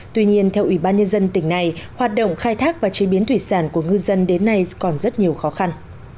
tuy nhiên theo ủy ban nhân dân tỉnh này hoạt động khai thác và chế biến thủy sản của ngư dân đến nay còn rất nhiều khó khăn